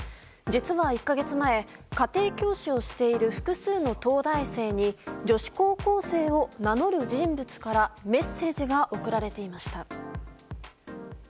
実は１か月前家庭教師をしている複数の東大生に女子高校生を名乗る人物からメッセージが送られていました。